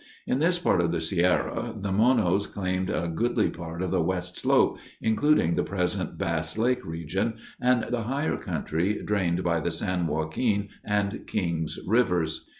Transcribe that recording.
In this part of the Sierra, the Monos claimed a goodly part of the west slope, including the present Bass Lake region and the higher country drained by the San Joaquin and Kings rivers.